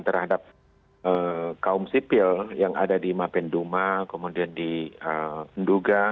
dan terhadap kaum sipil yang ada di mapenduma kemudian di nduga